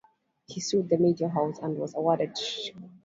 He sued the media house and was awarded Shs.